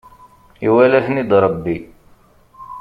Iwala-ten-id Rebbi.